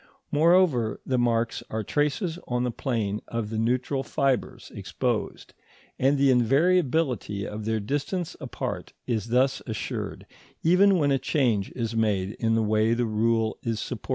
Moreover, the marks are traced on the plane of the neutral fibres exposed, and the invariability of their distance apart is thus assured, even when a change is made in the way the rule is supported.